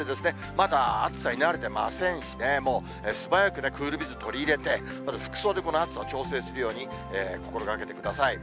まだ暑さに慣れてませんしね、もう素早くクールビズ取り入れて、まず服装でこの暑さを調整するように心がけてください。